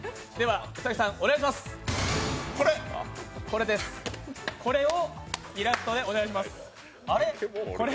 これです、これをイラストでお願いします。